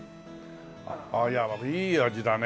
あっいい味だね